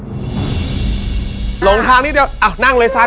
หลงทางนิดเดียวอ้าวนั่งเลยสั้น